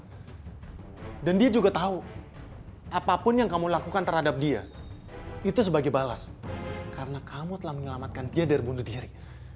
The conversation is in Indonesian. saya dan dia juga tahu apapun yang kamu lakukan terhadap dia itu sebagai balas karena kamu telah menyelamatkan dia dari bunuh diri